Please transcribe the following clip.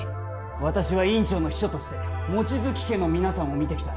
私は院長の秘書として望月家の皆さんを見てきた。